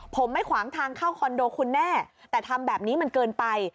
ผมไม่ขวางทางเข้าคอนโดคุณแน่แต่ทำแบบนี้มันเกินไป